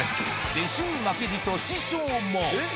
弟子に負けじと師匠も。